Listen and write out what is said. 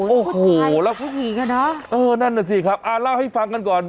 โอ้โฮแล้วเออนั่นน่ะสิครับลาให้ฟังกันก่อน